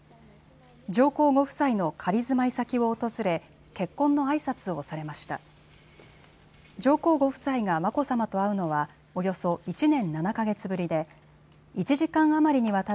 上皇ご夫妻の仮住まい先を訪れ結婚のあいさつをされました。